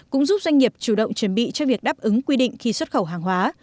cũng giúp doanh nghiệp chủ động chuẩn bị cho việc đáp ứng quy định khi xuất khẩu hàng hóa